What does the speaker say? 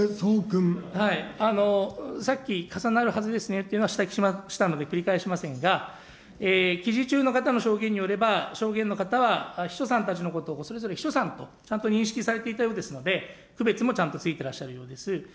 さっき重なるはずですねというのは指摘したので繰り返しませんが、記事中の方の証言によれば、証言の方は、秘書さんたちのことをそれぞれ秘書さんとちゃんと認識されていたようですので、区別もちゃんとついてらっしゃるようです。